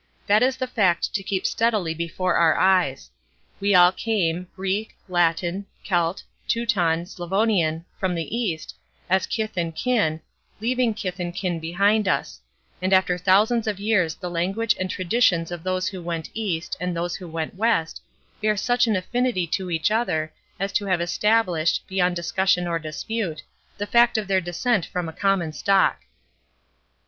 That is the fact to keep steadily before our eyes. We all came, Greek, Latin, Celt, Teuton, Slavonian, from the East, as kith and kin, leaving kith and kin behind us; and after thousands of years the language and traditions of those who went East, and those who went West, bear such an affinity to each other, as to have established, beyond discussion or dispute, the fact of their descent from a common stock.